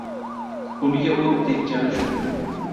Qulga o‘t tekkani shul!